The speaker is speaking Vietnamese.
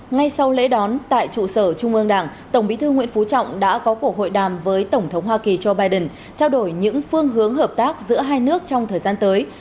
ngay sau lễ đón tại trụ sở trung ương đảng tổng bí thư nguyễn phú trọng đã có cuộc hội đàm với tổng thống hoa kỳ joe biden trao đổi những phương hướng hợp tác giữa hai nước trong thời gian tới